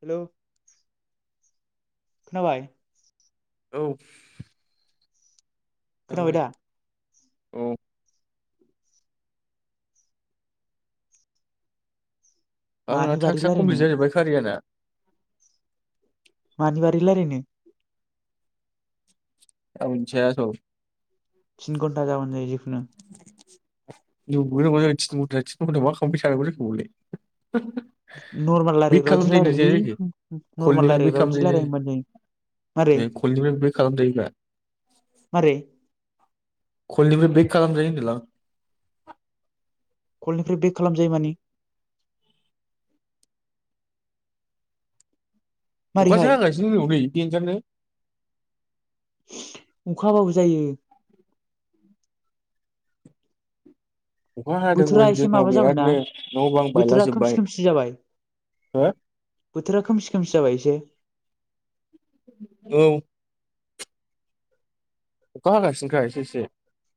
Hello खोनाबाय औ खोनाबाय जाबाय दा औ आंना मानि बारै थास्कआ रायलायनो कमप्लिट जाजोबबाय कारियाना मानि बारै रायलायनो आं मोनथिया थ' थिन घन्टा जाबानो जायो होनो नंगौ ना नङा जाखो थिन घन्टाया थिन घन्टायाव मा खामनो फै साननांगौ जाखो बेवलाय नरमेल रायलायग्रा बादि रायलायलै जाया जाखो नरमेल कलनिफ्राय बेक रायलायग्रा बायदि खालामजायो ना रायलाय जाया? होनबानो मारै ए कलनिफ्राय बेक खालामजायोब्रा मारै कलनिफ्राय बेक खालाम जायो होनदो लां कलनिफ्राय बेक खालाम जायो माने अखासो मारैहाय हागासिनो [unintelligible] नै देनजारलै [unintelligible] अखा हाबाबो जायो अखा बोथोरा हादोंमोन एसे जोंनाव माबा जाबायना बिरादनो न' बां बोथोरा बायलाजोब्बाय खोमसि खोमसि जाबाय हो बोथोरा खोमसि खोमसि जाबाय एसे औ अखा हागासिनोखा एसे एसे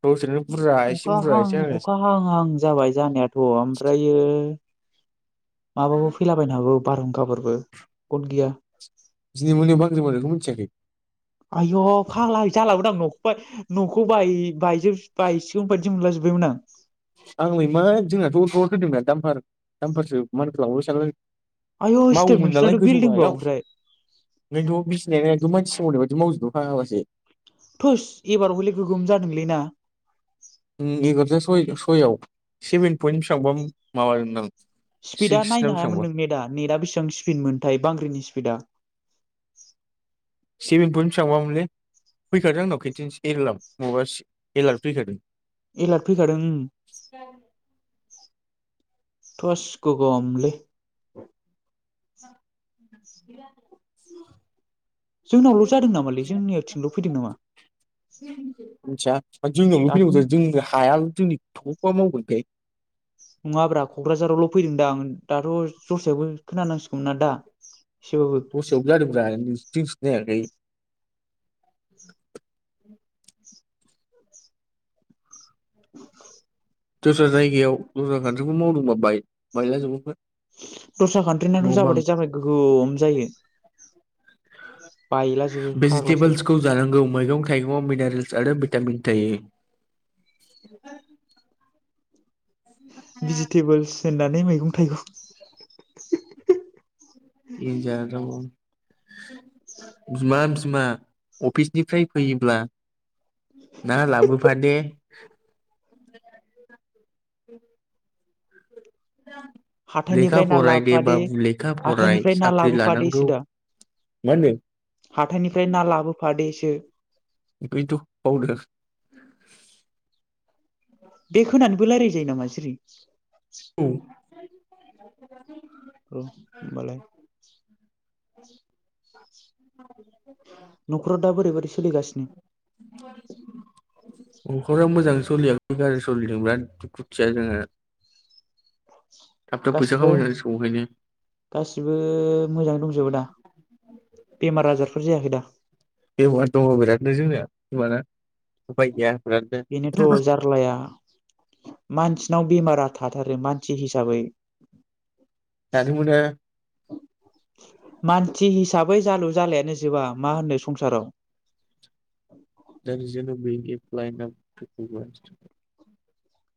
दसेनो बुरजा एसे अखा बुरजा हां एसे हागासिनो अखा हां हां जाबाय जानायाथ' ओमफ्रायो माबाबो फैलाबायनो हागौ बारहुंखाफोरबो गद गैया दिनै मोनायाव बांग्रि मावनायखौ मिथियाखै आय' फाग्ला जालाबोदां न'खौय न'खौ बाय बायजोब बायसिगोन बायदि मोनलाजोब्बायमोन आं आंलायमा जोंनाथ' [unintelligible] दामफार दामफारसो मानखौ लांबाय सानलाय आय' स्टेप मावोमोन नालाय नोंसिनाथ' गोजौ बिल्डिंबाव गाहायाव ओमफ्राय नोंथ' बिसिना मानसि सोमावनाय बायदि मावजोबदों फाग्लासो थोस एबार हले गोगोम जादोंलैना उम एगार'था सय सयआव सेभेन पयन्ट बेसेबांबा माबादोंदां स्पिडा सिक्स ना नायनो हायामोन बेसेबांबा नों नेटा नेटा बेसिबां स्पिड मोनथाय बांग्रिनि स्पिडा सेभेन पइन बेसेबांबा मोनलै फैखादों आंनाव खेथिनसे एलार्म माबा एलार्म फैखादों एलार्ट फैखादों टस गोगोमलै [unintelligible] [unintelligible] जोंनावल' जादों नामालै जोंनिथिंल' फैदों नामा मोनथिया जोंनियावल' दाथ' फैनौ जोंनो हाया [unintelligible] नङाब्रा क'क्राझारावल' फैदों दां दाथ' जस्रायावबो खोनानांसिगौमोन ना दा एसेबाबो दस्रायावबो जादोंब्रा जोंथिं जायाखै [inaudible] दस्रा जायगायाव दस्रा खान्थिखौ मावदोंबा बाय बायलाजो दस्रा कान्ट्रिनाथ' जाबाथाय जाबाय गोगोम जायो बायलाजोबो फाग्लासो थाइगं मिनारेल्स आरो भिटामिन थायो भिजिटेबोल्स दोननानै मैगं थाइगं देनजार जामबा बिमा बिमा अफिसनिफ्राय फैयोब्ला ना लाबोफादे लेखा हाथायनिफ्राय ना फराय दे लाबोफादे बाबु लेखा फराय हाथायनिफ्राय ना साख्रि लानांगौ लाबोफादोसो दा मा होनो हाथायनिफ्राय ना लाबोफादेसो बैथ बावदों बेग होनानैबो रायलाय जायो नामा जिरि औ [unintelligible] औ होमबालाय न'खराव दा बोरै बोरै सोलिगासिनो न'खरा मोजां सोलियाखै गाज्रि सोलिदों बिराद दुखुथिया जोङो गासिबो गासिबो मोजाङै दंजोबो दा बेमार आजारफोर जायाखै दा? बेमार दङ बिरादनो जोंनिया हामाना उफाय गैया बिरादनो बेनोथ' जारलाया मानसि नाव बेमारा थाथारो मानसि हिसाबै दानिबोनो मानसि हिसाबै जालु जालायानो जोबा मा होनो संसाराव औ [unintelligible]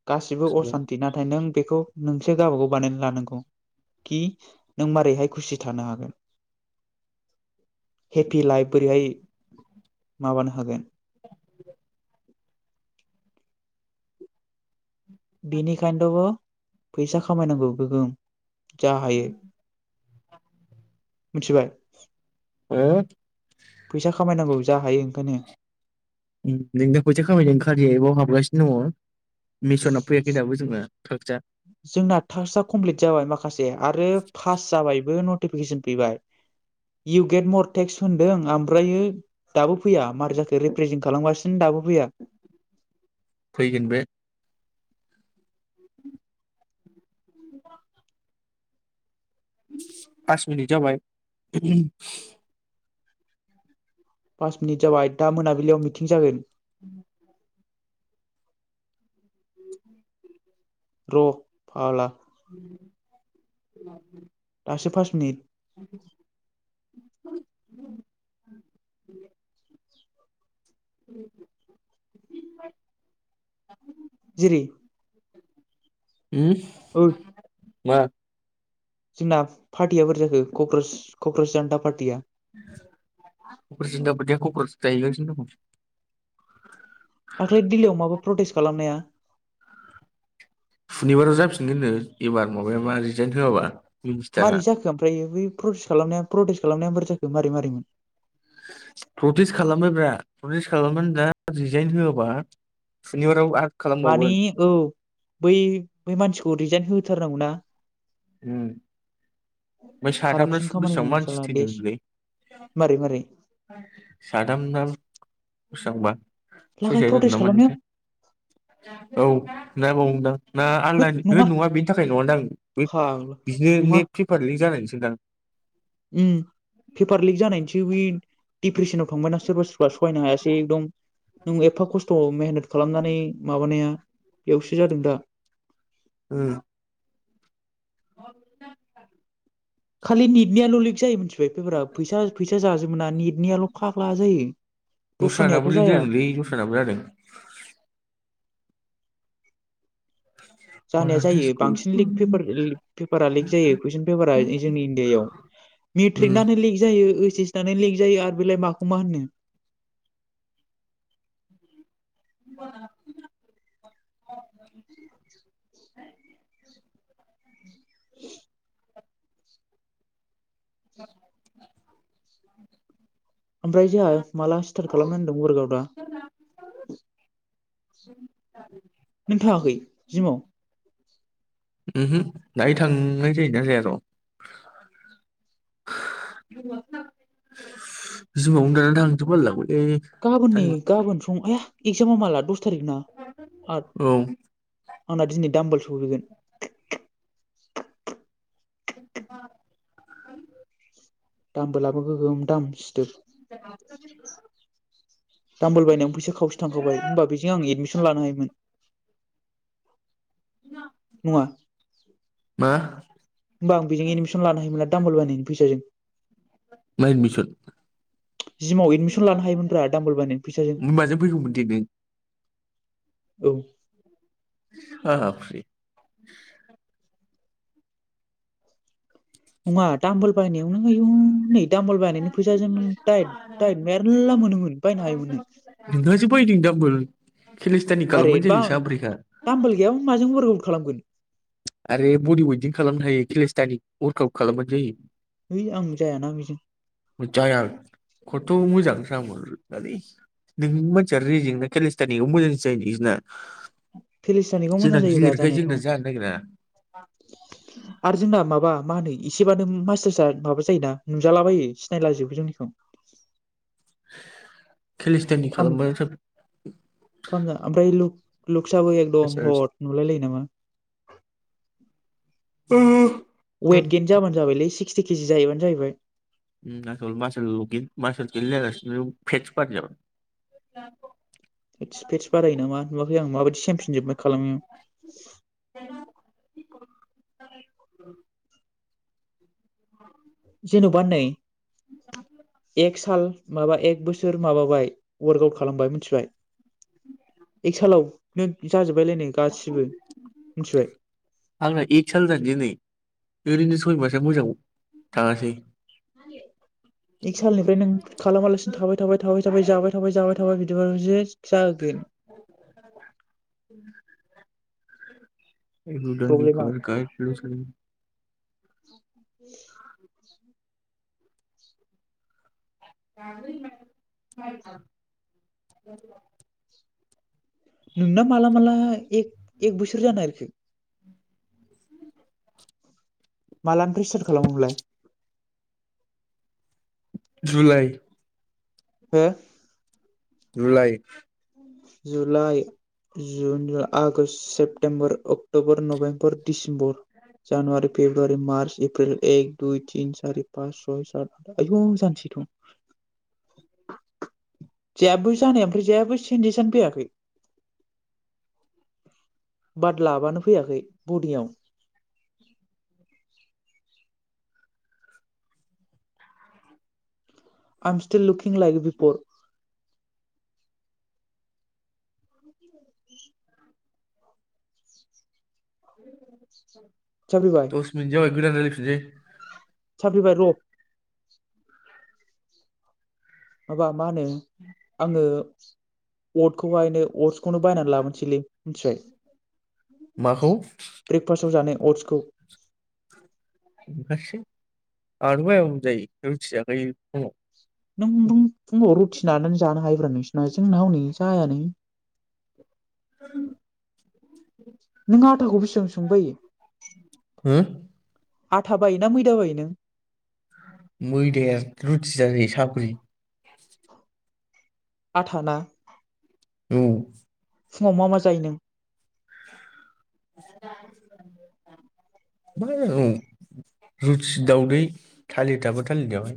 गासिबो असान्ति नाथाय नों बेखौ नोंसो गावबागाव बानायनानै लानांगौ कि नों मारैहाय खुसि थानो हागोन हेपि लाइफ बोरैहाय माबानो हागोन। बिनि खायनोथ फैसा खामायनांगौ गोगोम जा हायो मिथिबाय? फैसा खामायनांगौ जा हायो ओंखायनो। उ नोंनो फैसा खामायनायनि कारिया एपआव हाबगासिनो दङ मिसना फैयाखै दाबो जोंना थागजा जोंना टासकआ कमप्लिट जाबाय माखासे आरो पास जाबायबो । फेकेसन फैबाय इउ गेट मर टेक्स होनदों ओमफ्रायो दाबो फैया मारै जाखो रिप्रेजेन्ट खालामगासिनो दाबो फैया फैगोन बे पास मिनिट जाबाय [unintelligible] पास मिनिट जाबाय दा मोनाबिलियाव मिथिं जागोन। उ र' फाग्ला [unintelligible] दासो पास मिनिट [unintelligible] [unintelligible] जिरि [unintelligible] [unintelligible] मा जोंना पार्टिया बोरे जाखो कक्रझ- क'क्राझ जानथा पार्टिया कक्राझारनि दावबादिया [unintelligible] दाख्लै दिल्लीयाव माबा प्रटेस्ट खालामनाया सुनिबाराव जाफिनगोन नो एबार माबाया मा रिजाइन होआबा मिनिस्टारा मारै जाखो ओमफ्राय बै प्रटेस्ट खालामनाया प्रटेस्ट खालामनाया बोरै जाखो मारै मारैमोन? प्रटेस्ट खालामबाय ब्रा प्रटेस्ट खालामनानै दा रिजाइन होआबा सुनिबाराव आर मानि औ बै बै मानसिखौ रिजाइन हो होथारनांगौ ना ओम ओमफ्राय साथामना कारापसन खामानि बेसेबां मावो मानसि साला देस थैदों मारै मारै [unintelligible] साथामना बेसांबा लागाय सुइससाइट जादों प्रटेस्ट ना खालामनायाव मादोंथाय औ [unintelligible] ना आलदा नि होद नङा बेनि थाखाय नङानदां बे फाग्ला बिदिनो नेट पेपारलि जानायनिसो दां ओम पेपार लिक जानायनिसो बै डिप्रेसन आव [unintelligible] सहायनो हायासै एकदम नों एफा खस्थ' मेहनत खालामनानै माबानाया बेयावसो जादों दा। ओ खालि नेटनिया ल' लिक जायो मोनथि बे पेफारा फैसा फैसा जाजोबोना नेटनियाल' फाग्ला जायो दस्रानाबो दस्रानियाथ' लिक जाया। जादोंलै दस्रानाबो जादों उम जानाया जायो बांसिन लिक पेपार पेपारा लिक जायो कुइसन पेपारा जोंनि इण्डियायाव मेट्रिकनानो लिक जायो ओइस एसनानो लिक जायो आरो बेलाय मा। मा होननो [unintelligible] [unintelligible] [unintelligible] ओमफ्राय जोंहा माला स्टार्ट खालामना होनदों [unintelligible] दा नों थाङाखै जिमाव ओमहो दाहाय थांनाय जायोना जाया र' जिमावनो दाना थांनोसो बालाय लांबाय गाबोन नै गाबोन सं आया एक्जामा माला दस तारिक ना आथ औ आंना दिनै दामबोल सफैगोन। [inaudible] [unintelligible] दामबो लाबो गोगोम दाम। दामबोल बायनायावनो फैसा खावसे थांखाबाय होमबा बेजों आं एडमिसन लानो हायोमोन नङा मा होमबा आं बेजों एदमिसन लानो हायोमोन ना। दामबोल बायनायनि फैसाजों मा एडमिसन जिमाव एडमिसन लानो हायोमोनब्रा दामबल बायनायनि फैसाजों माजों फैगौमोन दे नों औ ओ फ्रि नङा दामबोल बायनायावनो आयु नै दामबोल बायनायनि फैसाजों नों टाइ टाइट मेरला मोनोमोन बायनो हायोमोन नों नोंहासो [unintelligible] आरे खालामबानो बा जायो साब्रैखा दामबोल गैया बा माजों वारक आउत खालामगोन आरो बडि वइडिं खालामनो हायो केलेस्टानि वार्कआउट खालामबानो जायो। है आं जायाना बिजों जाया खथ'मोजां [unintelligible] नोंनि मानसिया रेजेंना केलिस्टानिखौ मोजांसो जायो नोंसोरना पेलिस्तानिखौ मोजां जायोब्रा गिलिरखाय जानायाथ' जोंना जानो नागिरा आर जोंना माबा मा होनो एसेबानो मासासा माबा जायो ना नुजालाबायो सिनायलाजोबो जोंनिखौ [inaudible] फाम खालामबा फामना ओमफाय लु फिसाबा एकदम हत नुलायलायो नामा वेतगेन जाबानो जाबायलै से [unintelligible] केजि जाहैबानो जाहैबाय उम आसोल मासोल गे मासोल गिल जागासिनो फेतस बदियाव फेटस फेटस बारायो नामा नुवाखै आं माबायदि सेमफिन जोबबाय खालामैयाव [unintelligible] जेनबा नै एक साल माबा एक बोसोर माबाबाय वार्क आउट खालामबाय मिथिबाय एक सालाव नों जाजोब्बायलायनो गासिबो मिथिबाय आंना सैबासो मोजाङाव थाङासै एक सालनिफ्राय नों खालामालासिनो थाबाय थाबाय थाबाय जाबाय थाबाय जाबाय थाबाय बिदिबालाय बिदि [unintelligible] जागोन प्रब्लेमा [unintelligible] [inaudible] [unintelligible] नोंना माला माला एक एक बोसोर जानो नागिरखो? [inaudible] मालानिफ्राय सिथार्थ खालामामोनलाय? जुलाय हो July July June August September October November December January February March April एक दुइ तिन सारि पास सय सात आयु जानोसैथ' जायो जानाया ओमफ्राय जानायाबो जेबो सिन [unintelligible] फैयाखै बाद लाबानो फैयाखै बदियाव आम [unintelligible] लुकिं लइक बिपर [unintelligible] साफैबाय [inaudible] दस मिनिट जाबाय गोदान रायलाय [unintelligible] साफ्रिबाय र' माबा मा होनो आङो अटखौहायनो‌ अटस [unintelligible] बायनानै लाबोसैलै मिथिबाय माखौ ब्रेकफास्टाव जानाय अटसखौ [unintelligible] जायो रुथि जाखायो फुंआव नों नों फुङाव रुटि नानानै जानो हायोब्रा नोंस जोंना हनै जायानो नों आटाखौ बेसे [unintelligible] हो आथा बायोना मैदा बायो नों? मैदाया रुथि जाजायो साफ्रि आटाना औ फुङाव मा मा जायो नों? [unintelligible] रुथि, दावदै, थालिद दाबो थालिद जाबाय।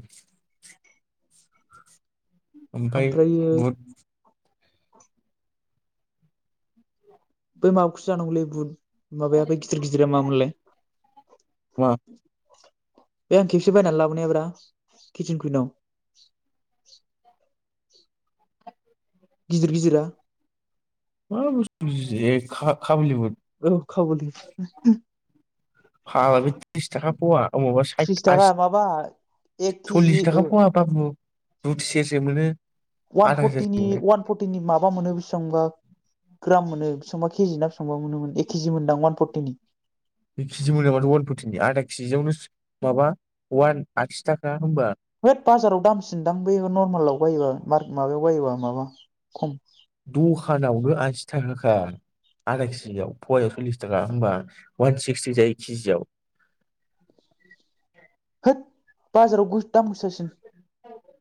ओमफाय ओमफ्रायो बुद बै माबाखौ जानांगौलै बुद माबाया बे गिदिर गिदिरा मामोनलाय मा बे आं खेबसे बायनानै लाबोनायाब्रा [unintelligible] कुइनाव गिदिर गिदिरा मा बुसथु [unintelligible] काबुलि बुद औ काबुलि फाग्ला बे त्रिस थाखा फवा अ‌ माबा साइथ थ्रिस थाखा आसि माबा एक सल्लिस केजि ओ थाखा फवा बाबु बुक सेरसे मोनो अवान आधा सेरसे फर्टिनि मोनो अवान फर्टिनि माबा मोनो बेसिबांबा ग्राम मोनो बेसेबां बा के जि ना बेसेबा मोनोमोन एक के जि मोनदां अवान फर्टिनि दुइ केजि मोनो माथो अवान फर्टिनि आदा कि जि आवनो माबा अवान आसि थाखा होमबा हैद बाजाराव दामसिनदां बैयो नरमेलाव बायोबा मार्क माबायाव बायोबा माबा खम बो आसि थाखाखा आदा किजियाव पवायाव सललिस थाखा होमबा वान सिक्सटि जायो कि जियाव होथ बाजाराव गो दाम गोसासिन